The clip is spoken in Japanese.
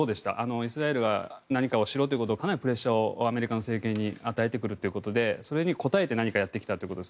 イスラエルが何かしろということをかなりプレッシャーをアメリカの政権に与えてくるということでそれに応えて何かをやってきたということです。